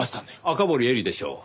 赤堀絵里でしょう。